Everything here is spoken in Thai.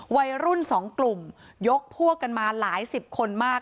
วัยรุ่นสองกลุ่มยกพวกกันมาหลายสิบคนมาก